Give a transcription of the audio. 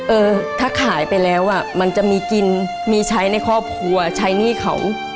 เออถ้าขายไปแล้วอ่ะมันจะมีกินมีใช้ในครอบครัวใช้หนี้เขา